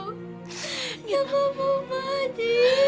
kita nggak mau mati